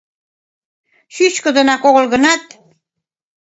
Чӱчкыдынак огыл гынат.